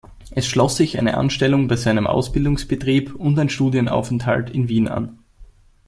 Es schloss sich eine Anstellung bei seinem Ausbildungsbetrieb und ein Studienaufenthalt in Wien an.